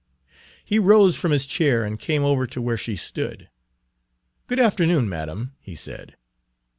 He rose from his chair and came over to where she stood. "Good afternoon, madam," he said.